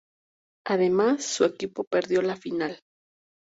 Además, su equipo perdió la final.